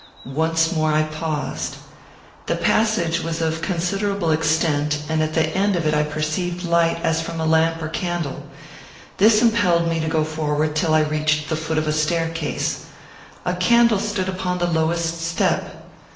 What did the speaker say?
Once more I paused. The passage was of considerable extent, and at the end of it I perceived light as from a lamp or candle. This impelled me to go forward, till I reached the foot of a staircase. A candle stood upon the lowest step.